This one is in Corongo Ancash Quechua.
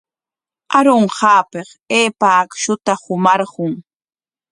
Arunqaapik aypa akshuta qumarqun.